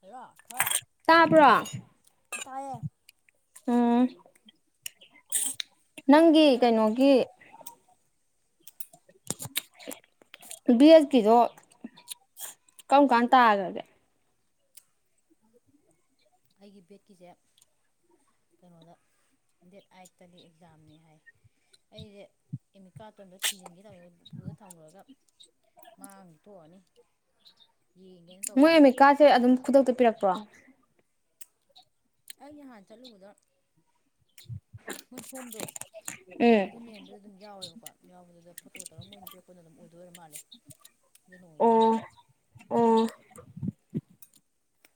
Hello [unintelligible] ꯇꯥꯕ꯭ꯔꯣ? ꯎꯝ ꯇꯥꯌꯦ꯫ ꯎꯝ [unintelligible] ꯅꯪꯒꯤ ꯀꯩꯗꯧ ꯀꯩꯅꯣꯒꯤ ꯕꯤ ꯑꯦꯗ ꯀꯤꯗꯣ ꯀꯔꯝ ꯀꯟ ꯇꯥꯒ꯭ꯔꯒꯦ? ꯑꯩꯒꯤ ꯕꯦꯠꯀꯤꯁꯦ ꯀꯩꯅꯣꯗ ꯗꯦꯠ ꯑꯥꯏꯠꯇꯒꯤ ꯑꯦꯛꯖꯥꯝꯅꯦ ꯍꯥꯏ, ꯑꯩꯖꯦ ꯑꯦꯃꯤꯠꯀꯠꯇꯣ ꯑꯝꯇ ꯊꯤꯖꯟꯒꯦ [unintelligible] ꯎꯄꯨꯗ ꯊꯝꯒ꯭ꯔꯒ ꯃꯥꯡ ꯇꯣꯛꯑꯅꯤ ꯌꯦꯡꯒꯦꯅ ꯃꯣꯏ ꯇꯧꯕꯅꯦ ꯑꯃꯤꯠ ꯀꯠꯁꯦ ꯑꯗꯨꯝ ꯈꯨꯗꯛꯇ ꯄꯤꯔꯛꯄ꯭ꯔꯣ? ꯑꯩ ꯅꯍꯥꯟ ꯆꯠꯂꯨꯕꯗ [unintelligible] ꯃꯣꯏ ꯐꯣꯝꯗꯣ ꯎꯝ ꯑꯗꯨ ꯃꯦꯟꯕꯗꯨꯗ ꯑꯗꯨꯝ ꯌꯥꯎꯋꯦꯕꯀꯣ ꯌꯥꯎꯕꯗꯨꯗꯥ ꯐꯣꯇꯣ ꯇꯧꯔ ꯃꯣꯏꯅ ꯄꯤꯔꯛꯄꯅ ꯑꯗꯨꯝ ꯑꯣꯏꯗꯣꯏꯔ ꯃꯥꯜꯂꯦ꯫ ꯑꯗꯨꯅ ꯑꯣ ꯑꯣꯏꯅꯤ ꯍꯥꯏ꯫ꯎꯝ ꯑꯣ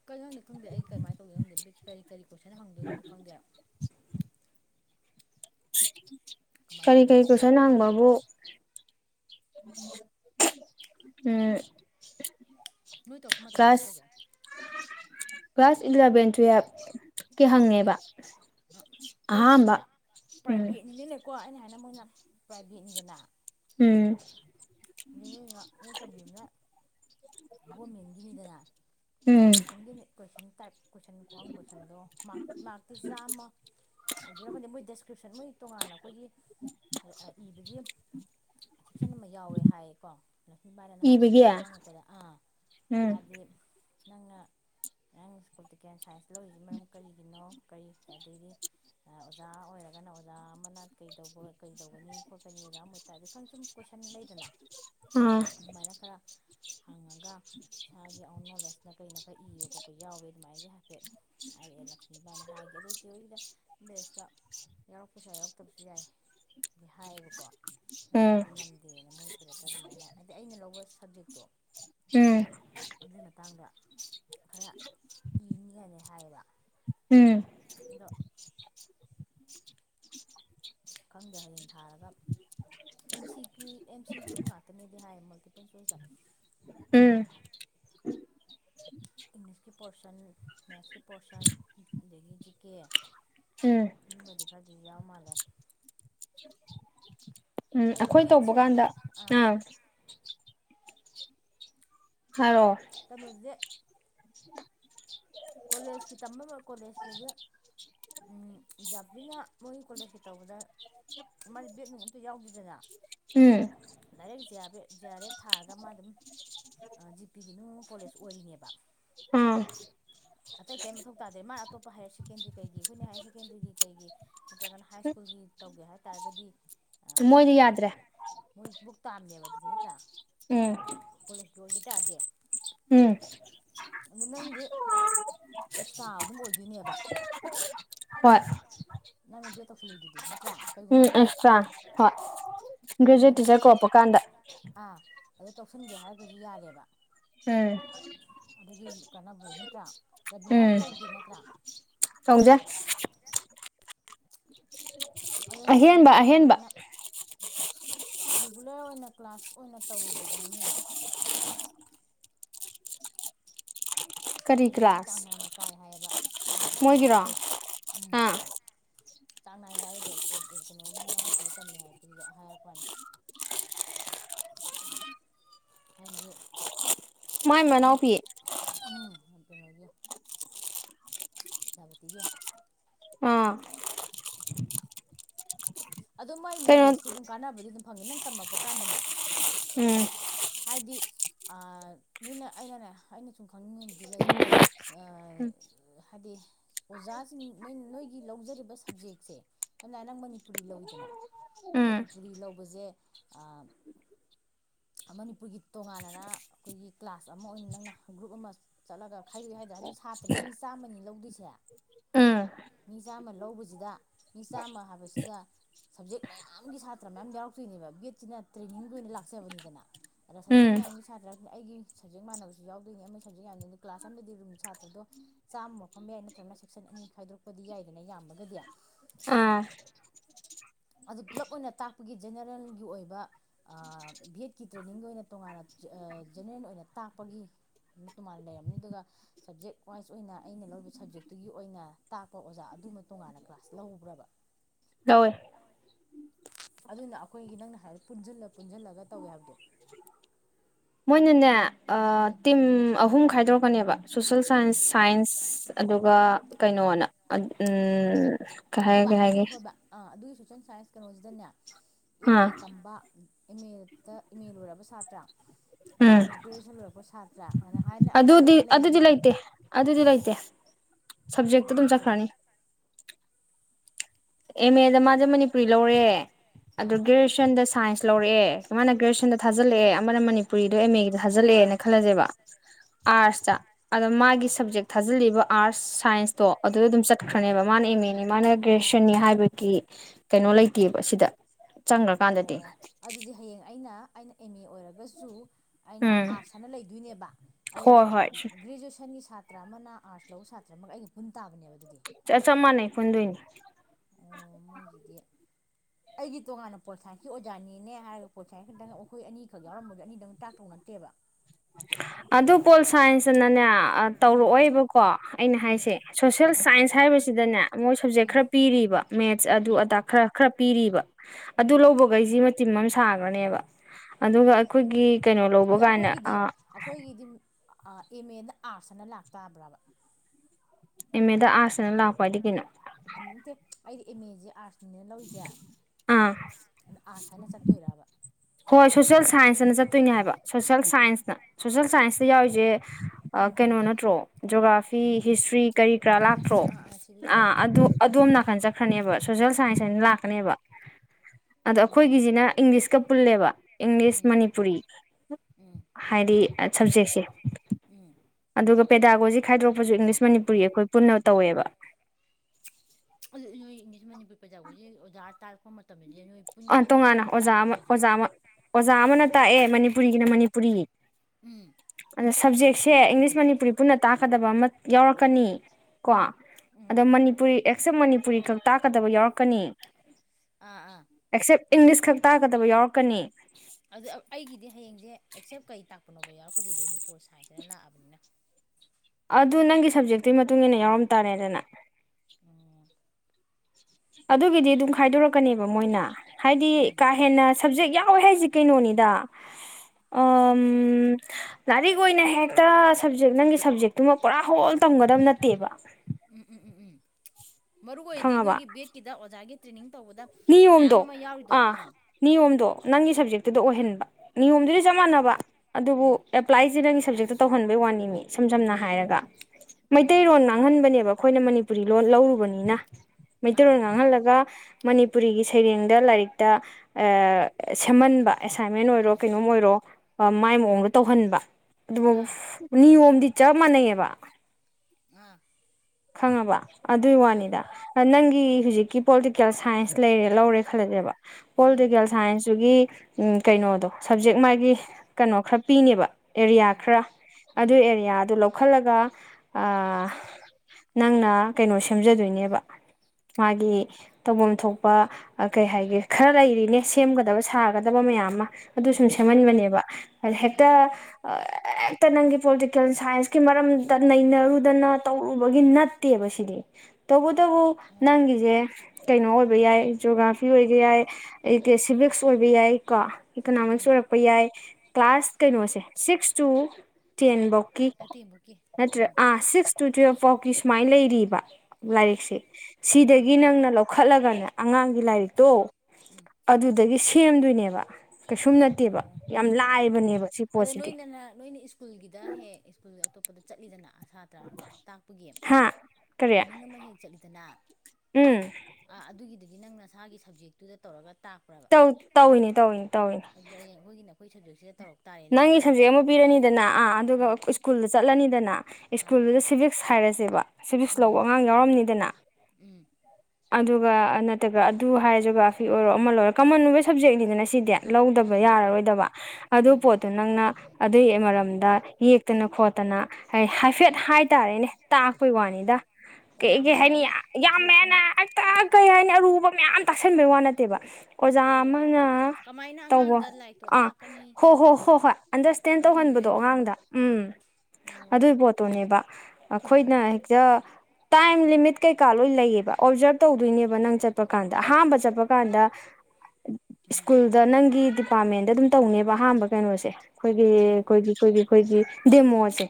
ꯀꯩꯅꯣ ꯈꯪꯗꯦ ꯈꯪꯗꯦ ꯑꯩ ꯀꯃꯥꯏ ꯇꯧꯗꯣꯏꯅꯣ ꯈꯪꯗꯦ ꯕꯤꯠ ꯀꯔꯤ ꯀꯔꯤ ꯀꯣꯏꯁꯟ ꯍꯪꯗꯣꯏꯅꯦꯁꯨ ꯈꯪꯗꯦ꯫ [inaudible] ꯀꯃꯥꯏꯅ ꯀꯔꯤ ꯀꯔꯤ ꯇꯧꯕꯅꯣꯁꯨ ꯈꯪꯗꯦ ꯀꯣꯌꯁꯟ ꯑꯉꯥꯡꯅ ꯍꯪꯕꯥꯕꯨ [unintelligible] ꯎꯝ ꯅꯣꯏ ꯇꯧꯔꯛꯄ ꯃꯥꯇꯝꯗ ꯀꯃꯥꯏ ꯀ꯭ꯂꯥꯁ ꯇꯧꯒꯦ? ꯀ꯭ꯂꯥꯁ ꯏꯂꯚꯦꯟ ꯇ꯭ꯨꯋꯦꯜꯞ ꯇꯩ ꯎꯝ ꯍꯪꯉꯦꯕ ꯑꯍꯥꯟꯕ ꯃꯣꯏꯒꯤꯅꯅꯦ ꯎꯝ꯫ ꯅ ꯃꯣꯏꯅ ꯄ꯭ꯔꯥꯏꯚꯦꯠꯅꯤꯗꯅ ꯎꯝ꯫ ꯅꯣꯏꯅ ꯅꯣꯏ ꯇꯝꯕꯤꯕꯅ ꯒꯣꯔꯃꯦꯟꯒꯤꯅꯤꯗꯅ ꯎꯝ ꯀꯣꯏꯁꯟꯒꯤꯅꯤ ꯀꯣꯏꯁꯟ ꯇꯥꯏꯄ ꯀꯣꯏꯁꯟ ꯈꯨꯍꯪ ꯀꯣꯏꯁꯟꯗꯣ ꯃꯥꯔ ꯃꯥꯔꯛꯇꯤ ꯆꯥꯝꯃ ꯑꯣꯏꯗꯔꯈꯪꯗꯦ ꯃꯣꯏ ꯗꯦꯁꯀ꯭ꯔꯤꯞꯁꯟ ꯃꯣꯏ ꯇꯣꯉꯥꯟꯅ ꯑꯩꯈꯣꯏꯒꯤ ꯏꯕꯒꯤ ꯆꯦꯛꯁꯟ ꯑꯃ ꯌꯥꯎꯋꯦ꯫ ꯍꯥꯏꯌꯦꯀꯣ ꯂꯛꯁꯃꯤ ꯕꯥꯏꯗ ꯅꯍꯥꯟ ꯏꯕꯒꯤ ꯍꯥꯏꯐꯦꯠ ꯍꯪꯉꯛꯄꯗ ꯑꯥ ꯎꯝ ꯍꯥꯏꯕꯗꯤ ꯅꯪꯅ ꯅ ꯄꯣꯂꯤꯇꯤꯀꯦꯜ ꯁꯥꯏꯟꯁ ꯂꯧꯔꯤꯒꯤ ꯃꯔꯝ ꯀꯔꯤꯒꯤꯅꯣ? ꯀꯩ ꯑꯗꯩꯗꯤ ꯑꯣꯖꯥ ꯑꯣꯏꯔꯒꯅ ꯑꯣꯖꯥ ꯑꯃꯅ ꯀꯩꯗꯧꯕ ꯀꯩ ꯇꯧꯕꯅꯤ ꯈꯣꯠꯀꯅꯤ ꯑꯣꯖꯥ ꯑꯃꯥ ꯑꯣꯏꯇꯥꯗꯤ ꯈꯪ ꯁꯨꯝ ꯀꯣꯏꯁꯟ ꯂꯩꯗꯅ ꯑꯥ ꯑꯗꯨꯃꯥꯏꯅ ꯈꯔ ꯍꯪꯉꯒ ꯏꯁꯥꯒꯤ ꯑꯥꯎꯟ ꯅꯣꯂꯦꯖ ꯀꯩꯅ ꯈꯔ ꯏꯕ ꯈꯣꯠꯄ ꯌꯥꯎꯋꯦ ꯑꯗꯨꯃꯥꯏꯅꯗꯤ ꯍꯥꯏꯐꯦꯠ ꯍꯥꯏꯔꯛꯑꯦ ꯂꯛꯁꯃꯤ ꯑꯗꯨꯃꯥꯏꯅ ꯍꯥꯏꯒꯦ ꯑꯗꯣ ꯁꯤ ꯍꯁꯤꯗ ꯦꯁꯇ ꯌꯥꯎꯔꯛꯄꯩꯁꯨ ꯌꯥꯎꯔꯛꯇꯕꯁꯨ ꯌꯥꯏ ꯍꯥꯏꯗꯤ ꯍꯥꯏꯌꯦꯕꯀꯣ꯫ ꯎꯝ ꯍꯥꯏꯕꯗꯤ ꯉꯝꯗꯦꯅ ꯃꯣꯏ ꯄꯨꯂꯞꯇ ꯑꯗꯨꯃꯥꯏꯅ ꯍꯥꯏꯗꯤ ꯑꯩꯅ ꯂꯧꯕ ꯁꯕꯖꯦꯛꯇꯣ ꯎꯝ ꯑꯗꯨꯒꯤ ꯃꯇꯥꯡꯗ ꯈꯔ ꯏꯅꯤ ꯍꯥꯏꯔꯦ꯫ ꯍꯥꯏꯕ꯫ [inaudible] [unintelligible] ꯈꯪꯗꯦ ꯍꯌꯦꯡ ꯊꯥꯔꯒ ꯑꯦꯝ ꯁꯤꯒꯤ ꯑꯦꯝ ꯁꯤ ꯀꯌ꯭ꯨ ꯉꯥꯛꯇꯅꯦ꯫ ꯍꯥꯏꯌꯦ ꯃꯜꯇꯤꯄꯜ ꯆꯣꯏꯁꯇ꯫ ꯎꯝ [unintelligible] [inaudible] ꯏꯪꯂꯤꯁꯀꯤ ꯄꯣꯔꯁꯟ ꯃꯦꯠꯁꯀꯤ ꯄꯣꯔꯁꯟ ꯑꯗꯒꯤ ꯖꯤ ꯀꯦ ꯎꯝ ꯫ ꯎꯝꯗꯤ ꯈꯗꯤ ꯌꯥꯎ ꯃꯥꯜꯂꯦ꯫ [inaudible] ꯎꯝ ꯑꯗꯣ ꯑꯩꯈꯣꯏ ꯕꯤ ꯇꯧꯕ ꯑꯦꯠꯁꯦ ꯀꯥꯟꯗ ꯑꯥ ꯍꯥꯏꯔꯣ꯫ ꯀꯅꯣꯗꯤ ꯀꯣꯂꯦꯖꯀꯤ ꯇꯝꯃ ꯀꯣꯂꯦꯖꯀꯤꯗꯤ ꯑꯣꯖꯥꯇꯤꯅ ꯃꯣꯏꯒꯤ ꯀꯣꯂꯦꯖꯀꯤ ꯇꯧꯕꯗ ꯃꯥꯗꯤ ꯕꯦꯛ ꯅꯨꯡ ꯑꯝꯇ ꯌꯥꯎꯗꯦꯗꯅ ꯎꯝ direct G G R F ꯊꯥꯔꯒ ꯃꯥ ꯑꯗꯨꯝ ꯖꯤꯄꯤꯒꯤ ꯅꯨꯡ ꯀꯣꯂꯦꯖ ꯑꯣꯏꯔꯤꯅꯦꯕ꯫ ꯑꯥ꯫ ꯑꯇꯩ ꯀꯩ ꯃꯊꯧ ꯇꯥꯗꯦ ꯃꯥ ꯑꯇꯣꯞꯄ ꯍꯥꯏꯌꯔ ꯁꯦꯀꯦꯟꯗꯔꯤ ꯀꯩꯒꯤ ꯑꯩꯈꯣꯏꯌꯔ ꯁꯦꯀꯦꯟꯗꯔꯤꯒꯤ ꯀꯩꯒꯤ ꯅꯠꯇ꯭ꯔꯒꯅ ꯍꯥꯏ ꯁ꯭ꯀꯨꯜꯒꯤ ꯇꯧꯒꯦ ꯍꯥꯏ ꯇꯥꯔꯒꯗꯤ ꯃꯣꯏꯗꯤ ꯌꯥꯗ꯭ꯔꯦ꯫ ꯃꯣꯏ ꯕꯨꯛ ꯇꯥꯝꯅꯦꯕ ꯑꯗꯨꯗꯤ ꯅꯥꯠꯇꯔꯥ? ꯎꯝ꯫ ꯂꯣꯏꯒꯤꯠꯔꯗꯤ ꯎꯝ꯫ ꯑꯗꯨꯗ ꯅꯪꯒꯤꯗꯤ ꯑꯦꯛꯁꯇ꯭ꯔꯥ ꯑꯗꯨꯝ ꯑꯣꯏꯗꯣꯏꯅꯦꯕ꯫ ꯍꯣꯏ꯫ ꯅꯪ ꯅꯥ ꯕꯦꯠ ꯇꯧ [unintelligible] ꯎꯝ ꯑꯦꯁꯇ꯭ꯔꯥ ꯍꯣꯏ ꯀꯩꯒꯨꯝꯕ ꯒ꯭ꯔꯦꯖꯨꯌꯦꯠ ꯅꯪꯅ ꯇꯤꯆꯔ ꯀꯧꯔꯛꯄ ꯀꯥꯟꯗ꯫ ꯑꯥ ꯑꯗꯣ ꯇꯧꯁꯟꯒꯦ ꯍꯥꯏꯔꯒꯁꯨ ꯌꯥꯔꯦꯕ꯫ ꯎꯝ꯫ ꯑꯗꯨꯒꯤ ꯀꯥꯟꯅꯕꯗꯨꯣ ꯅꯠꯇ꯭ꯔꯥ ꯔꯕꯤꯅꯥꯁꯨ ꯇꯧꯗꯦ ꯅꯠꯇ꯭ꯔꯥ꯫ ꯇꯧꯗꯦ꯫ ꯑꯗꯨ ꯃꯣꯏ ꯑꯍꯦꯟꯕ ꯔꯤꯒꯨꯂꯔ ꯌꯥꯝ ꯑꯍꯦꯟꯕ ꯀꯟꯅ ꯔꯤꯒꯨꯂꯔ ꯑꯣꯏꯅ ꯀ꯭ꯂꯥꯁ ꯑꯣꯏꯅ ꯇꯧꯋꯦꯁꯨ ꯍꯥꯏꯅꯦ ꯀꯔꯤ ꯐꯖꯅ ꯆꯥꯡ ꯀ꯭ꯂꯥꯁ ꯅꯥꯏꯅ ꯀꯥꯏ ꯍꯥꯏꯌꯦꯕ ꯃꯣꯏ ꯃꯣꯏꯒꯤꯔꯣ ꯏꯇꯥꯒꯤꯁꯦ ꯎꯝ ꯑꯥ ꯆꯥꯡ [unintelligible] ꯀꯩꯅꯣꯒꯤ ꯃꯅꯥꯎꯅꯨꯄꯤꯗꯣ ꯇꯝꯃꯦ ꯍꯥꯏꯕꯗꯨꯗ ꯍꯥꯏꯔꯛꯄꯅꯤ ꯍꯥꯏꯌꯦ ꯃꯥꯏ ꯃꯅꯥꯎꯄꯤ ꯎꯝ ꯀꯩꯅꯣꯒꯤ [unintelligible] ꯑꯥ ꯑꯗꯣ ꯃꯥꯒꯤ ꯀꯩꯅꯣ ꯅꯣꯂꯦꯖꯇꯤ ꯑꯗꯨꯝ ꯀꯥꯟꯅꯕꯗꯤ ꯑꯗꯨꯝ ꯐꯪꯉꯦ ꯅꯪ ꯇꯝꯃꯛꯄ ꯀꯥꯟꯗꯅꯦ ꯎꯝ ꯍꯥꯏꯗꯤ ꯅꯣꯏꯅ ꯑꯩꯅꯅꯦ ꯑꯩꯅ ꯁꯨꯝ ꯈꯪꯅꯤꯡꯕꯗꯤ ꯂꯩꯌꯦꯕ ꯑꯥꯥ ꯍꯥꯏꯗꯤ ꯑꯣꯖꯥꯁꯤꯡ ꯅꯪ ꯅꯣꯏꯒꯤ ꯂꯧꯖꯔꯤꯕ ꯁꯕꯖꯦꯛꯁꯦ ꯁꯝꯅ ꯍꯥꯏ ꯅꯪ ꯃꯅꯤꯄꯨꯔꯤ ꯂꯧꯋꯤꯗꯅ ꯎꯝ ꯃꯅꯤꯄꯨꯔꯤ ꯂꯧꯕꯁꯦ ꯑꯥ ꯃꯅꯤꯄꯨꯔꯒꯤ ꯇꯣꯉꯥꯟꯅꯅ ꯑꯩꯈꯣꯏꯒꯤ ꯀ꯭ꯂꯥꯁ ꯑꯃ ꯑꯣꯏꯅ ꯅꯪꯅ ꯒ꯭ꯔꯨꯞ ꯑꯃ ꯆꯠꯂꯒ ꯈꯥꯏꯗꯣꯛꯏ ꯍꯥꯏꯗꯔ꯭ ꯍꯥꯏꯗꯤ ꯁꯥꯇ꯭ꯔꯁꯦ ꯃꯤ ꯆꯥꯝꯃꯅꯤ ꯂꯧꯗꯣꯏꯁꯦ ꯎꯝ ꯃꯤ ꯆꯥꯝꯃ ꯂꯧꯕꯁꯤꯗ ꯃꯤ ꯆꯥꯝꯃ ꯍꯥꯏꯕꯁꯤꯗ ꯁꯕꯖꯦꯛ ꯃꯌꯥꯝꯒꯤ ꯁꯥꯇ꯭ꯔ ꯃꯌꯥꯝ ꯌꯥꯎꯔꯛꯇꯣꯏꯅꯦꯕ ꯕꯤ ꯑꯦꯠꯁꯤꯅ ꯇ꯭ꯔꯦꯅꯤꯡꯒꯤ ꯑꯣꯏꯅ ꯂꯥꯛ ꯂꯥꯛꯆꯕꯅꯤꯗꯅ ꯑꯗ ꯁꯞꯖꯦꯛ ꯎꯝ ꯃꯌꯥꯝꯒꯤ ꯁꯥꯇ꯭ꯔ ꯑꯩꯒꯤ ꯁꯞꯖꯦꯛ ꯃꯥꯟꯅꯕꯁꯨ ꯌꯥꯎꯗꯣꯏꯅꯤ ꯑꯃꯒꯤ ꯁꯕꯖꯦꯛ ꯌꯥꯝꯌꯥꯝꯗꯣꯏ ꯀ꯭ꯂꯥꯁ ꯑꯝꯗꯗꯤ ꯔꯨꯝ ꯁꯥꯇ꯭ꯔꯗꯣ ꯆꯥꯝꯃꯃꯨꯛ ꯐꯝꯕ ꯌꯥꯏ ꯅꯠꯇ꯭ꯔꯒꯅ ꯁꯦꯛꯁꯟ ꯑꯅꯤ ꯈꯥꯏꯗꯣꯛꯔꯛꯄꯗꯤ ꯌꯥꯏꯗꯅ ꯌꯥꯝꯃꯒꯗꯤ ꯑꯥ ꯑꯗꯨ ꯄꯨꯂꯞ ꯑꯣꯏꯅ ꯇꯥꯛꯄꯒꯤ ꯖꯦꯅꯔꯦꯜꯒꯤ ꯑꯣꯏꯕ ꯑꯥ ꯕꯤ ꯑꯦꯠꯀꯤ ꯇ꯭ꯔꯦꯅꯤꯡꯒꯤ ꯑꯣꯏꯅ ꯇꯣꯉꯥꯟꯅ ꯑꯥ ꯖꯦꯅꯔꯦꯜ ꯑꯣꯏꯅ ꯇꯥꯛꯄꯒꯤ ꯑꯃ ꯇꯣꯉꯥꯟꯅ ꯂꯩꯔꯝꯅꯤ ꯑꯗꯨꯒ ꯁꯞꯖꯦꯛ ꯋꯥꯏꯁ ꯑꯣꯏꯅ ꯑꯩꯅ ꯂꯧꯔꯤꯕ ꯁꯞꯖꯦꯛꯇꯨꯒꯤ ꯑꯣꯏꯅ ꯇꯥꯛꯄ ꯑꯣꯖꯥ ꯑꯗꯨꯝꯕ ꯇꯣꯉꯥꯟꯅ ꯀ꯭ꯂꯥꯁ ꯂꯧꯕ꯭ꯔꯕ ꯂꯧꯏ ꯑꯗꯨꯅ ꯑꯩꯈꯣꯏꯒꯤ ꯅꯪꯅ ꯍꯥꯏꯕ ꯄꯨꯟꯁꯤꯂ ꯄꯨꯟꯁꯤꯜꯂꯒ ꯇꯧꯋꯦ ꯍꯥꯏꯕꯗꯣ ꯃꯣꯏꯅꯅꯦ ꯑ ꯎꯝ ꯇꯤꯝ ꯑꯍꯨꯝ ꯈꯥꯏꯗꯣꯔꯛꯀꯅꯦꯕ ꯁꯣꯁꯦꯜ ꯎꯝ ꯁꯥꯏꯟꯁ ꯁꯥꯏꯟꯁ ꯑꯗꯨꯒ ꯀꯩꯅꯣꯅ ꯑꯝ ꯉꯥꯏꯈꯣꯕ ꯑꯗꯨ ꯍꯣꯏꯕ ꯑꯥ ꯑꯗꯨꯏꯁꯨ ꯁꯥꯏꯁ ꯀꯩꯅꯣꯖꯤꯗꯅꯦ ꯑꯦꯃꯦ ꯑꯥ ꯇꯝꯕ ꯑꯦꯝ ꯑꯦ ꯗ ꯑꯦꯃ ꯑꯦ ꯂꯣꯏꯔꯕ ꯁꯥꯇꯔ꯭ ꯎꯝ ꯑꯗꯨꯒ ꯒꯔ꯭ꯦꯖꯨꯋꯦꯁꯟ ꯂꯣꯏꯔꯛꯄ ꯁꯥꯇ꯭ꯔꯥ ꯑꯗꯨꯗꯤ ꯑꯗꯨꯗꯤ ꯂꯩꯇꯦ ꯑꯗꯨꯗꯤ ꯂꯩꯇꯦ ꯑꯗꯨ ꯁꯕꯖꯦꯛꯇ ꯗꯨꯝ ꯀꯃꯥꯏꯅ ꯇꯧꯕ ꯆꯠꯈ꯭ꯔꯅꯤ ꯑꯦꯝ ꯑꯦꯗ ꯃꯥꯁꯦ ꯃꯅꯤꯄꯨꯔꯤ ꯂꯧꯔꯦ ꯑꯗꯨ ꯑꯥ ꯒꯔ꯭ꯦꯖꯨꯋꯦꯁꯟꯗ ꯁꯥꯏꯟꯁ ꯂꯧꯔꯛꯑꯦ ꯑꯃꯅ ꯒꯔ꯭ꯦꯖꯨꯋꯦꯁꯟꯗ ꯊꯥꯖꯜꯂꯛꯑꯦ ꯑꯃꯅ ꯃꯅꯤꯄꯨꯔꯤꯗ ꯑꯦꯝ ꯑꯦꯒꯤꯗ ꯊꯥꯖꯜꯂꯛꯑꯦꯅ ꯈꯜꯂꯁꯦꯕ ꯑꯥ ꯑꯥꯔꯠꯁꯇ ꯑꯗ ꯃꯥꯒꯤ ꯑꯥ ꯁꯞꯖꯦꯛ ꯊꯥꯖꯤꯜꯂꯤꯕ ꯑꯥꯔꯠꯁ ꯁꯥꯏꯟꯁꯇꯣ ꯑꯗꯨꯗꯣ ꯑꯗꯨꯝ ꯆꯠꯈ꯭ꯔꯅꯦꯕ ꯃꯥꯅ ꯑꯦꯝ ꯑꯦꯅꯤ ꯃꯥꯅ ꯒ꯭ꯔꯦꯖꯨꯁꯟ ꯅꯤ ꯍꯥꯏꯕꯒꯤ ꯀꯩꯅꯣ ꯂꯩꯇꯦꯕ ꯁꯤꯗ ꯆꯪꯈ꯭ꯔꯀꯥꯟꯗꯗꯤ ꯑꯣ ꯑꯗꯨꯗꯤ ꯍꯌꯦꯡ ꯑꯩꯅ ꯑꯩꯅ ꯑꯦꯝ ꯑꯦ ꯑꯣꯏꯔꯒꯁꯨ ꯑꯩꯅ ꯎꯝ ꯑꯥꯔꯠꯁ ꯍꯥꯏꯅ ꯂꯩꯗꯣꯏꯅꯦꯕ ꯑꯗꯨꯗꯤ ꯍꯣꯏ ꯍꯣꯏ ꯒ꯭ꯔꯦꯖꯨꯑꯦꯁꯟꯒꯤ ꯁꯥꯇ꯭ꯔ ꯁꯥꯇ꯭ꯔ ꯑꯃꯅ ꯑꯥꯔꯠꯁ ꯂꯧꯕ ꯁꯥꯇ꯭ꯔ ꯑꯃꯒ ꯑꯩꯒ ꯄꯨꯟ ꯇꯥꯕꯅꯦꯕ ꯑꯗꯨꯗꯤ ꯆꯞ ꯆꯞ ꯃꯥꯟꯅꯩ ꯄꯨꯟꯗꯨꯏꯅꯦ ꯑꯣ ꯃꯣꯏꯒꯤꯗꯤ ꯑꯩꯒꯤ ꯇꯣꯉꯥꯟꯅ ꯄꯣꯜ ꯁꯥꯏꯟꯁꯀꯤ ꯑꯣꯖꯥꯅꯤꯅꯦ ꯍꯥꯏꯔꯒ ꯄꯣꯜ ꯁꯥꯏꯟꯁ ꯈꯛꯇꯪ ꯑꯩꯈꯣꯏ ꯑꯅꯤꯈꯛ ꯌꯥꯎꯔꯝꯕꯗꯣ ꯑꯅꯤꯗꯪ ꯇꯥꯛꯇꯧ ꯅꯠꯇꯦꯕ [unintelligible] ꯑꯗꯨ ꯄꯣꯜ ꯁꯥꯏꯟꯁꯇꯅꯅꯦ ꯑ ꯇꯧꯔꯛꯑꯣꯏꯕꯀꯣ ꯑꯩꯅ ꯍꯥꯏꯁꯦ ꯁꯣꯁꯦꯜ ꯁꯥꯏꯟꯁ ꯍꯥꯏꯕꯁꯤꯗꯅꯦ ꯃꯣꯏ ꯁꯕꯖꯦꯛ ꯈꯔ ꯄꯤꯔꯤꯕ ꯃꯦꯠꯁ ꯑꯗꯨ ꯑꯗꯥ ꯈꯔ ꯈꯔ ꯄꯤꯔꯤꯕ ꯑꯗꯨ ꯎꯝ ꯂꯧꯕꯈꯩꯁꯤꯃ ꯇꯤꯝ ꯑꯃ ꯁꯥꯒ ꯅꯦꯕ ꯑꯗꯨꯒ ꯑꯩꯈꯣꯏꯒꯤ ꯀꯩꯅꯣ ꯂꯧꯕ ꯑꯗꯣ ꯀꯥꯟꯅ ꯑꯩꯈꯣꯏꯒꯤꯗꯤ ꯑꯩꯈꯣꯏꯒꯤꯗꯤ ꯑ ꯑꯦꯝꯑꯦꯗ ꯑꯥꯔꯠꯁ ꯍꯥꯏꯅ ꯂꯥꯛ ꯇꯥꯕ꯭ꯔꯕ ꯑꯦꯝꯃꯦꯗ ꯑꯥꯔꯠꯁ ꯑꯅ ꯂꯥꯛꯄ ꯍꯥꯏꯗꯤ ꯀꯩꯅꯣ ꯅꯠꯇ‌ꯦ ꯑꯩꯗꯤ ꯑꯦꯃꯦ ꯁ‌ꯦ ꯑꯥꯔꯠꯁ ꯅꯤꯅ ꯂꯧꯔꯤꯁꯦ ꯑꯥ ꯑꯗꯨ ꯑꯥꯔꯠꯁ ꯍꯥꯏꯅ ꯆꯠꯇꯣꯏꯔꯕ ꯍꯣꯏ ꯁꯣꯁꯦꯜ ꯁꯥꯏꯟꯁꯅ ꯆꯠꯇꯣꯏꯅꯦ ꯍꯥꯏꯕ ꯁꯣꯁꯦꯜ ꯁꯥꯏꯟꯁꯅ ꯁꯣꯁꯦꯜ ꯁꯥꯏꯟꯁ ꯁꯤꯗ ꯌꯥꯎꯋꯤꯁ‌ꯦ ꯑꯥ ꯎꯝ ꯀꯩꯅꯣ ꯅꯠꯇ꯭ꯔꯣ ꯖꯣꯒꯔꯥꯐ ꯐꯤ ꯍꯤꯁꯇ꯭ꯔꯤ ꯀꯔꯤ ꯀꯔꯥ ꯅꯤꯀꯤ ꯂꯥꯛꯇ꯭ꯔꯣ ꯑꯥ ꯑꯥ ꯁꯤꯕꯤ ꯑ ꯍꯣꯏ ꯑꯗꯣꯝ ꯅꯥꯀꯟ ꯆꯠꯈ꯭ꯔꯅꯤꯕ ꯁꯣꯁꯦꯜ ꯁꯥꯏꯟꯁ [unintelligible] ꯂꯥꯛꯀꯅꯦꯕ ꯑꯗꯣ ꯎꯝ ꯑꯈꯣꯏꯒꯤꯁꯤꯅ ꯏꯪꯂꯤꯁꯀ ꯄꯨꯜꯂꯦꯕ ꯏꯪꯂꯤꯁ ꯃꯅꯤꯄꯨꯔꯤ ꯍꯥꯏꯗꯤ ꯁꯕꯖꯦꯛꯁꯦ ꯎꯝ꯫ ꯑꯗꯨꯒ ꯄꯦꯗꯥꯒꯣꯖꯤ ꯈꯥꯏꯗꯣꯛꯄꯁꯨ ꯏꯪꯂꯤꯁ ꯃꯅꯤꯄꯨꯔꯤ ꯑꯩꯈꯣꯏ ꯄꯨꯟꯅ ꯇꯧꯋꯦꯕ꯫ ꯑꯗꯨ ꯅꯣꯏ ꯏꯪꯂꯤꯁ ꯃꯅꯤꯄꯨꯔꯤ ꯄ‌ꯦꯗꯥꯒ‌ꯣꯖꯤ ꯑꯣꯖꯥ ꯇꯥꯛꯂꯛꯄ ꯃꯇꯝꯗꯗꯤ ꯅꯣꯏ ꯄꯨꯟꯅ ꯑ ꯄꯨꯟ ꯇꯣꯉꯥꯟꯅ ꯀꯔꯤ ꯑꯣꯖꯥ ꯑꯃ ꯇꯥꯛꯏꯕꯗꯨꯗꯤ ꯑꯣꯖꯥ ꯑꯃ ꯑꯣꯖꯥ ꯑꯃꯅ ꯇꯥꯛꯑꯦ ꯃꯅꯤꯄꯨꯔꯤꯒꯤꯅ ꯃꯅꯤꯄꯨꯔꯤ ꯎꯝ ꯑꯗꯨꯒ ꯁꯕꯖꯦꯛ ꯁꯦ ꯏꯪꯂꯤꯁ ꯃꯅꯤꯄꯨꯔꯤ ꯄꯨꯟꯅ ꯇꯥꯛꯀꯗꯕ ꯑꯃ ꯌꯥꯎꯔꯛꯀꯅꯤ ꯀꯣ ꯎꯝ ꯑꯗ ꯎꯝ ꯃꯅꯤꯄꯨꯔꯤ ꯑꯦꯛꯁꯦꯞ ꯃꯅꯤꯄꯨꯔꯤꯈꯛ ꯇꯥꯛꯀꯗꯕ ꯌꯥꯎꯔꯛꯀꯅꯤ ꯑꯥ ꯑꯥ ꯑꯦꯛꯁꯦꯞ ꯏꯪꯂꯤꯁ ꯈꯛ ꯇꯥꯛꯀꯗꯕ ꯌꯥꯎꯔꯛꯀꯅꯤ ꯑꯗꯨ ꯑꯩꯒꯤꯗꯤ ꯍꯌꯦꯡꯁꯦ ꯑꯦꯛꯁꯦꯞ ꯀꯩ ꯇꯥꯛꯄꯅꯣꯕ ꯌꯥꯎꯔꯛꯀꯗꯣꯏꯁꯦ ꯑꯩꯅ ꯄꯣꯜ ꯁꯥꯏꯁꯅ ꯂꯥꯛꯑꯕꯅꯤꯅ? ꯑꯗꯨ ꯅꯪꯒꯤ ꯁꯞꯖꯦꯛꯇꯨꯏ ꯃꯇꯨꯡ ꯏꯟꯅ ꯌꯥꯎꯔꯝ ꯇꯥꯔꯦꯗꯅ꯫ ꯎꯝ ꯑꯗꯨꯒꯤꯗꯤ ꯑꯗꯨꯝ ꯈꯥꯏꯗꯣꯔꯛꯀꯅꯦꯕ ꯃꯣꯏꯅ ꯍꯥꯏꯗꯤ ꯎꯝ ꯀꯥ ꯍꯦꯟꯅ ꯁꯕꯖꯦꯛ ꯌꯥꯎꯋꯦ ꯍꯥꯏꯁꯤ ꯀꯩꯅꯣꯅꯤꯗ ꯑꯝ ꯂꯥꯏꯔꯤꯛ ꯑꯣꯏꯅ ꯍꯦꯛꯇ ꯁꯞꯖꯦꯛ ꯅꯪꯒꯤ ꯁꯞꯖꯦꯛꯇꯨꯃꯛ ꯄꯨꯔꯥ ꯍꯣꯜ ꯇꯝꯒꯗꯕ ꯅꯠꯇꯦꯕ ꯎꯝ ꯎꯝ ꯎꯝ꯫ ꯃꯔꯨ ꯑꯣꯏꯗꯤ ꯅꯣꯏꯒꯤ ꯕꯦꯠꯀꯤꯗ ꯑꯣꯖꯥꯒꯤ ꯇ꯭ꯔ‌ꯦꯅꯤꯡ ꯅꯤꯌ‌ꯣꯝꯗ‌ꯣ ꯑ ꯅꯤꯌ‌ꯣꯝꯗꯣ ꯅꯪꯒꯤ ꯁꯕꯖꯦꯛ ꯇꯨꯗ ꯑꯣꯏꯍꯟꯕ ꯅꯤꯌꯣꯝꯗꯨꯗꯤ ꯆꯞ ꯃꯥꯟꯅꯕ ꯑꯗꯨꯕꯨ ꯎꯝ ꯑꯦꯄ꯭ꯂꯥꯏꯁꯤ ꯅꯪꯒꯤ ꯁꯕꯖꯦꯛꯇ ꯇꯧꯍꯟꯕꯩ ꯋꯥꯅꯤ ꯃꯤ ꯏꯁꯝ ꯁꯝꯅ ꯍꯥꯏꯔꯒ ꯑꯣ ꯃꯩꯇꯩꯔꫭꯟ ꯉꯥꯡꯍꯟꯕꯅꯦꯕ ꯑꯈꯣꯏꯅ ꯃꯅꯤꯄꯨꯔꯤ ꯂꯣꯟ ꯂꯧꯔꯨꯕꯅꯤꯅ꯫ ꯑꯥ ꯃꯩꯇꯩꯔꯣꯟ ꯉꯥꯡꯍꯜꯂꯒ ꯃꯅꯤꯄꯨꯔꯤꯒꯤ ꯁꯩꯔꯦꯡꯗ ꯂꯥꯏꯔꯤꯛꯇ ꯁꯦꯝꯍꯟꯕ꯫ ꯑꯦꯁꯥꯏꯟꯃꯦꯟ ꯑꯣꯏꯔꯣ ꯎꯝ ꯀꯩꯅꯣꯝ ꯑꯣꯏꯔꯣ ꯃꯥꯏ ꯃꯑꯣꯡꯗ ꯇꯧꯍꯟꯕ꯫ ꯑꯥ [unintelligible] ꯅꯤꯌꫭꯝꯗꯤ ꯆꯞ ꯃꯅꯩꯌꯦꯕ꯫ ꯑ꯫ ꯈꯪꯉꯥꯕ? ꯑꯗꯨꯏ ꯋꯥꯅꯤꯗ ꯅꯪꯒꯤ ꯑꯣ ꯍꯨꯖꯤꯛꯀꯤ ꯄꯣꯜꯇꯤꯛ ꯀꯦꯜ ꯁꯥꯏꯟꯁ ꯂꯩꯔꯦ ꯂꯧꯔꯦ ꯈꯜꯂꯁꯦꯕ ꯎꯝ ꯄꯣꯜꯇꯤꯀꯦꯜ ꯁꯥꯏꯟꯁꯇꯨꯒꯤ ꯎꯝ ꯀꯩꯅꯣꯗꯣ ꯁꯞꯖꯦꯛ ꯃꯥꯒꯤ ꯀꯩꯅꯣ ꯈꯔ ꯄꯤꯅꯦꯕ꯫ ꯑꯦꯔꯤꯌꯥ ꯎꯝ ꯈꯔ ꯑꯗꯨ ꯎꯝ ꯑꯦꯔꯤꯌꯥꯗꯨ ꯂꯧꯈꯠ꯫ ꯈꯠꯂꯒ ꯑꯥ꯫ ꯅꯪꯅ ꯀꯩꯅꯣ ꯁꯦꯝꯖꯗꯣꯏꯅꯦꯕ ꯃꯥꯒꯤ ꯇꯧꯕꯝ ꯊꯣꯛꯄ ꯀꯩ ꯍꯥꯏꯒꯦ ꯈꯔ ꯂꯩꯔꯤꯅꯦ ꯁꯦꯝꯒꯗꯕ ꯁꯥꯒꯗꯕ ꯃꯌꯥꯝ ꯑꯃ꯫ ꯑꯗꯨ ꯁꯨꯝ ꯎꯝ ꯁꯦꯝꯃꯟꯕꯅꯦꯕ ꯍꯥꯏꯗꯤ ꯍꯦꯛꯇ꯫ ꯎꯝ ꯑ [unintelligible] ꯇ ꯅꯪꯒꯤ ꯄꯣꯜꯇꯤꯀꯦꯜ ꯁꯥꯏꯟꯁꯀꯤ ꯃꯔꯝꯗ ꯅꯩꯅꯔꯨꯗꯅ ꯇꯧ꯫ ꯔꯨꯕꯒꯤ ꯅꯠꯇꯦꯕ ꯁꯤꯗꯤ ꯇꯕꯨ꯫ ꯇꯕꯨ ꯑꯣ ꯅꯪꯒꯤꯁꯦ ꯀꯩꯅꯣ ꯑꯣꯏꯕ꯫ ꯌꯥꯏ ꯖꯣꯒ꯭ꯔꯥꯐꯤ ꯑꯣꯏꯒꯦ ꯌꯥꯏ [unintelligible] ꯁꯤꯚꯤꯛꯁ ꯑꯣꯏꯕ ꯌꯥꯏ ꯀꯣ꯫ ꯏꯀꯣꯅꯣꯃꯤꯛꯁ ꯎꯝ ꯑꯣꯏꯔꯛꯄ ꯌꯥꯏ꯫ ꯀ꯭ꯂꯥꯁ ꯀꯩꯅꯣꯁꯦ ꯁꯤꯛꯁ ꯇꯨ꯫ ꯑꯩꯠ ꯇꯦꯟꯕꯣꯛꯀꯤ ꯑꯇꯦꯡꯕꯨꯛꯀꯤ ꯅꯠꯇ꯭ꯔꯦ ꯎꯝ ꯑ ꯁꯤꯛꯁ ꯇꯨ ꯇꯨꯋꯦꯜ꯫ ꯀꯤ ꯁꯨꯃꯥꯏꯅ ꯂꯩꯔꯤꯕ꯫ ꯑꯥ ꯂꯥꯏꯔꯤꯛꯁꯦ ꯑꯥ ꯁꯤꯗꯒꯤ ꯅꯪꯅ ꯂꯧꯈꯠꯂꯒꯅꯦ꯫ ꯑꯉꯥꯡꯒꯤ ꯂꯥꯏꯔꯤꯛꯇꯣ ꯎꯝ ꯑꯗꯨꯗꯒꯤ꯫ ꯁꯦꯝꯗꯣꯏꯅꯦꯕ ꯀꯩꯁꯨꯝ ꯅꯠꯇꯦꯕ ꯌꯥꯝ ꯂꯥꯏꯕꯅꯦꯕ꯫ ꯁꯤ ꯑꯗ ꯄꯣꯠꯁꯤꯗꯤ ꯅꯣꯏꯅꯅ ꯅꯣꯏꯅ ꯏꯁ꯭ꯀꯨꯜꯒꯤꯗ ꯍꯦꯛ ꯏꯁꯀꯨꯜ ꯑꯇꯣꯞꯄꯗ꯫ ꯆꯠꯂꯤꯗꯅ꯫ ꯁꯥꯇ꯭ꯔ ꯇꯥꯛꯄꯒꯤ ꯍꯥ ꯀꯔꯤ ꯇ꯭ꯔꯦꯅꯤꯡ ꯑꯃ ꯍꯦꯛ ꯆꯠꯂꯤꯗꯅ ꯎꯝ ꯑꯥ ꯑꯗꯨꯒꯤꯗꯨ꯫ [unintelligible] ꯅꯪ ꯅꯁꯥꯒꯤ ꯁꯕꯖꯦꯛꯇꯨꯗ ꯇꯧꯔꯒ꯫ ꯇꯥꯛꯄ꯭ꯔꯕ ꯇꯧ ꯇꯧꯔꯤꯅꯤ ꯇꯧꯔꯤꯅꯤ ꯇꯧꯔꯤꯅꯤ꯫ ꯈꫭꯏ ꯁꯕꯖꯦꯛꯁꯤꯗ ꯇꯧꯔꯛ꯫ ꯇꯥꯔꯦꯅꯦ ꯅꯪꯒꯤ ꯑꯗꯨꯗꯤ ꯁꯕꯖꯦꯛ ꯅꯠꯇ꯭ꯔꯥ ꯑꯃ ꯄꯤꯔꯅꯤꯗꯅ ꯑꯥ ꯑꯗꯨꯒ ꯏꯁ꯭ꯀꯨꯜꯗ ꯆꯠꯂꯅꯤꯗꯅ ꯑꯥ ꯏꯁ꯭ꯀꯨꯜꯗꯨꯗ ꯁꯤꯚꯤꯛꯁ꯫ ꯍꯥꯏꯔꯁꯦꯕ ꯁꯤꯚꯤꯛꯁ ꯂꯧꯕ ꯎꯝ ꯑꯉꯥꯡ ꯌꯥꯎꯔꯝꯅꯤꯗꯅ ꯎꯝ ꯑꯗꯨꯒ ꯅꯠꯇ꯭ꯔꯒ ꯑꯗꯨ ꯍꯥꯏꯔꯖꯨ ꯑꯣꯏꯔꯣ ꯑꯃꯜ ꯎꯝ ꯑꯣꯏꯔ ꯀꯃ [inaudible] ꯁꯞꯖꯦꯛꯅꯤꯗꯅ ꯁꯤꯗꯤ ꯂꯧꯗꯕ ꯎꯝ ꯎꯝ ꯎꯝ ꯌꯥꯔꯔꯣꯏꯗꯕ ꯑꯗꯨ ꯎꯝ ꯄꯣꯠꯇꯨ ꯅꯪꯅ ꯑꯗꯨꯒꯤ ꯃꯔꯝꯗ ꯌꯦꯛꯇꯅ ꯈꯣꯠꯇꯅ ꯍꯥꯏ ꯍꯥꯏꯐꯦꯠ ꯑꯥ ꯍꯥꯏꯇꯥꯔꯦꯅꯦ ꯇꯥꯛꯄꯩ ꯑꯥ ꯋꯥꯅꯤꯗ ꯑꯣ ꯀꯩ ꯌꯥꯝ ꯀꯩ ꯍꯦꯟꯅ ꯍꯥꯏꯅꯤ ꯑꯩꯅ ꯌꯥꯝ ꯌꯥꯝ ꯄꯨꯊꯣꯛꯇꯅ ꯍꯦꯟꯅ ꯍꯦꯛꯇꯥ ꯀꯩꯍꯥꯏꯅꯤ ꯑꯔꯨꯕ ꯃꯌꯥꯝ ꯇꯥꯁꯟꯕꯩ ꯋꯥ ꯅꯠꯇꯦꯕ ꯑꯣꯖꯥ ꯑꯣ ꯑꯣ ꯑꯣ ꯑꯃꯅ ꯑꯣ ꯀꯃꯥꯏꯅ ꯇꯧꯔꯣ ꯑꯉꯥꯡꯗ ꯂꯥꯏꯔꯤꯛꯇꯣ ꯑꯥ ꯇꯥꯛꯀꯅꯤ ꯍꯣ ꯍꯣ ꯍꯣ ꯍꯣꯏ ꯑꯟꯗꯔꯁꯇꯦꯟ ꯇꯧꯍꯟꯕꯗꯣ ꯑꯗꯨꯝꯕꯒꯤ ꯇ꯭ꯔꯦꯅꯤꯡ ꯑꯉꯥꯡꯗ ꯎꯝ ꯑꯥ ꯑꯣ ꯑꯗꯨꯏ ꯄꯣꯠꯇꯨꯅꯦꯕ ꯑꯩꯈꯣꯏꯅ ꯎꯝ ꯍꯦꯛꯇ ꯇꯥꯏꯝ ꯂꯤꯃꯤꯠ ꯀꯩꯀꯥ ꯂꯣꯏ ꯂꯩꯌꯦꯕ ꯑꯣꯞꯖꯥꯔꯞ ꯇꯧꯗꯣꯏꯅꯦꯕ ꯅꯪ ꯆꯠꯄ ꯀꯥꯟꯗ ꯑꯍꯝꯕ ꯆꯠꯄ ꯀꯥꯟꯗ ꯎꯝ ꯁ꯭ꯀꯨꯜꯗ ꯅꯪꯒꯤ ꯗꯤꯄꯥꯃꯦꯟꯗ ꯑꯗꯨꯝ ꯇꯧꯅꯦꯕ ꯑꯍꯝꯕ ꯀꯩꯅꯣꯁꯦ ꯑꯩꯈꯣꯏꯒꯤ ꯑꯩꯈꯣꯏꯒꯤ ꯑꯩꯈꯣꯏꯒꯤ ꯑꯩꯈꯣꯏꯒꯤ ꯗꯦꯃꯣꯁꯦ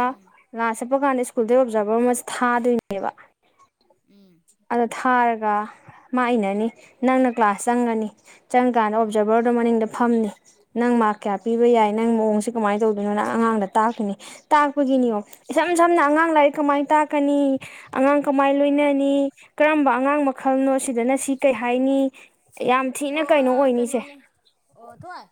ꯎꯝ [inaudible] ꯁ꯭ꯀꯨꯜꯗꯩ ꯑꯣꯕꯖꯥꯔꯕꯔ ꯑꯃꯁ ꯊꯥꯗꯣꯏꯅꯦꯕ ꯎꯝ [inaudible] ꯑꯗ ꯊꯥꯔꯒ ꯃꯥ ꯏꯅꯅꯤ ꯅꯪꯅ ꯀ꯭ꯂꯥꯁ ꯆꯪꯉꯅꯤ ꯆꯪꯀꯥꯟꯗ ꯎꯝ ꯑꯣꯕꯖꯔꯕꯔꯗꯣ ꯃꯅꯤꯡꯗ ꯐꯝꯅꯤ ꯅꯪ ꯎꯝ ꯃꯥꯔꯛ ꯀꯌꯥ ꯑꯣ ꯄꯤꯕ ꯌꯥꯏ ꯅꯪ ꯃꯑꯣꯡꯁꯤ ꯀꯃꯥꯏꯅ ꯇꯧꯗꯣꯏꯅꯣ ꯅꯪ ꯑꯉꯥꯡꯗ ꯇꯥꯛꯇꯨꯅꯤ ꯇꯥꯛꯄꯒꯤꯅꯤꯌꯣꯝ ꯎꯝ ꯏꯁꯝ ꯁꯝꯅ ꯑꯉꯥꯡ ꯂꯥꯏꯔꯤꯛ ꯀꯃꯥꯏ ꯇꯥꯛꯀꯅꯤ ꯑꯉꯥꯡ ꯀꯃꯥꯏ ꯂꯣꯏꯅꯅꯤ ꯀꯔꯝꯕ ꯑꯉꯥꯡ ꯃꯈꯜꯅꯣ ꯑꯁꯤꯗꯅ ꯁꯤ ꯀꯩ ꯍꯥꯏꯅꯤ ꯌꯥꯝ ꯊꯤꯅ ꯑꯣ ꯀꯩꯅꯣ ꯑꯥ ꯑꯣꯏꯅꯤꯁꯦ ꯀꯩꯅꯣꯅꯦ ꯑꯣ ꯊꯣꯏ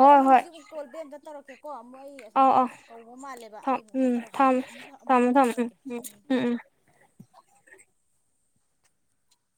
ꯑꯩ ꯑꯃꯨꯛ ꯍꯣꯏ ꯍꯧꯖꯤꯛꯃꯨꯛ ꯀꯣꯜꯕꯦꯛ ꯑꯝꯇ ꯇꯧꯔꯛꯀꯦ ꯀꯣ ꯑꯃꯨꯛ ꯑꯩ ꯑꯧ ꯑꯁꯣꯝꯗ ꯑꯧ ꯀꯧꯕ ꯃꯥꯜꯂꯦꯕ ꯊꯝ ꯑꯩ ꯑꯃꯨꯛꯇ ꯎꯝ ꯇꯧꯔꯛꯀꯦ ꯊꯝꯃꯣ ꯑꯃꯨꯛ ꯑꯃꯨꯛ ꯑꯃꯨꯛ ꯊꯝꯃꯣ ꯀꯣꯜꯗ ꯊꯝꯃꯣ ꯇꯧꯔꯛꯀꯦ ꯎꯝ